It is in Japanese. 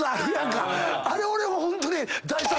あれ俺もホントに。